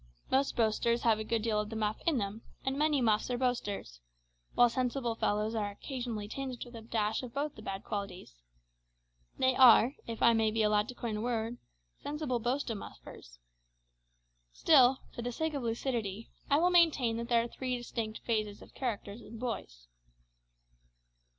Most boasters have a good deal of the muff in them, and many muffs are boasters; while sensible fellows are occasionally tinged with a dash of both the bad qualities they are, if I may be allowed to coin a word, sensible boasto muffers! Still, for the sake of lucidity, I will maintain that there are three distinct phases of character in boys.